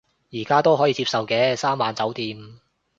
而家都可以接受嘅，三晚酒店